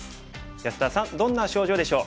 安田さんどんな症状でしょう？